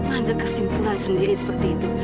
ada kesimpulan sendiri seperti itu